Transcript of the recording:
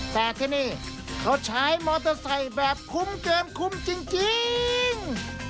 แต่ที่นี่เขาใช้มอเตอร์ไซค์แบบคุ้มเกินคุ้มจริง